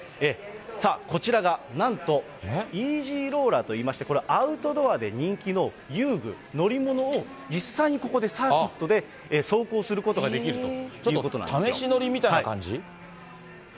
さあ、こちらがなんと、イージーローラーといいまして、これ、アウトドアで人気の遊具、乗り物を、実際にここで、サーキットで走行することができるということなん試し乗りみたいな感じ？